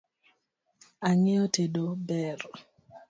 Ang'eyo tedo ber